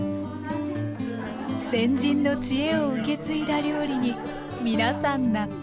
先人の知恵を受け継いだ料理に皆さん納得。